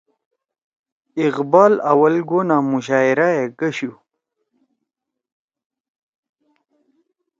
اقبال اوّل گونا مشاعرہ ئے گَشُو